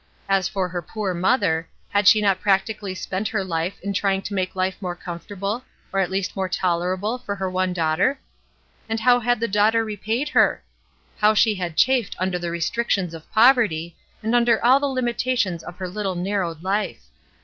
As for her poor mother, had she not practically spent her Ufe in trying to make life more comfortable, or at least more tolerable, for her one daughter ? And how had the daughter repaid her? How she had chafed under the restrictions of poverty, and under all the limitations of her Uttle narrowed life!